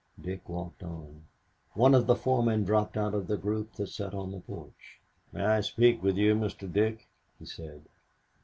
Dick walked on. One of the foremen dropped out of the group that sat on the porch. "May I speak with you, Mr. Dick?" he said.